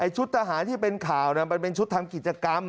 ชุดทหารที่เป็นข่าวมันเป็นชุดทำกิจกรรม